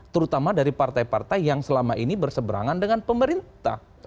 terutama dari partai partai yang selama ini berseberangan dengan pemerintah